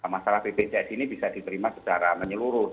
masalah bpjs ini bisa diterima secara menyeluruh